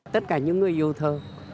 tất cả những người yêu thơ